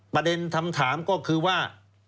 ประเด็นคำถามก็คือว่า